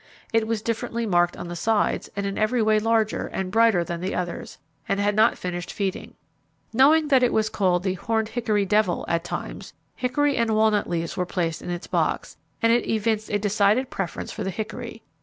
It was differently marked on the sides, and in every way larger, and brighter than the others, and had not finished feeding. Knowing that it was called the 'horned hickory devil' at times, hickory and walnut leaves were placed in its box, and it evinced a decided preference for the hickory.